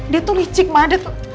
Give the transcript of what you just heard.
dia tuh licik mak